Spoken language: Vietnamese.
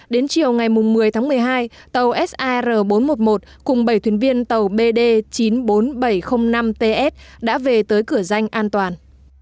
đến chiều ngày một mươi tháng một mươi hai tàu sar bốn trăm một mươi một cùng bảy thuyền viên tàu bd chín mươi bốn nghìn bảy trăm linh năm ts đã về tới cửa danh an toàn